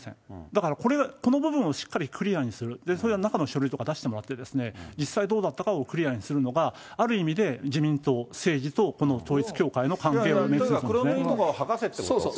だから、この部分をしっかりクリアにする、それは中の書類とか出してもらって、実際どうだったかを、クリアにするのが、ある意味で自民党、政治とこの統一教会の関係を見るっていうことですね。